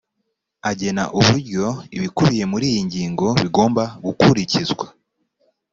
agena uburyo ibikubiye muri iyi ngingo bigomba gukurikizwa